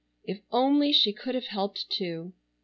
If only she could have helped too!